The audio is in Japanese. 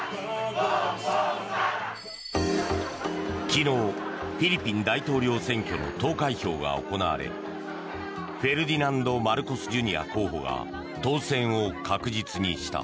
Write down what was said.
昨日、フィリピン大統領選挙の投開票が行われフェルディナンド・マルコス・ジュニア候補が当選を確実にした。